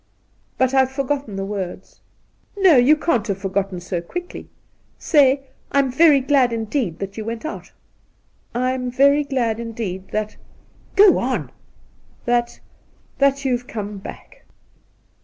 * But I've forgotten the words.' ' No ; you can't have forgotten so quickly. Say, " I'm very glad indeed that you went out." '' I'm very glad indeed that ' 'Goon!' ' That — that you've come back.'